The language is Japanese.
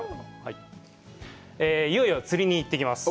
いよいよ釣りに行ってきます。